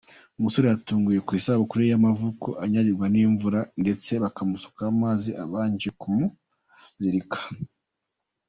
Umusore yatunguwe ku isabukuru ye yamavuko anyagizwa imvura ndetse bakamusukaho amazi babanje kumuzirika .